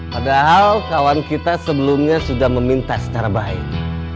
padahal kawan kita sebelumnya sudah meminta secara baik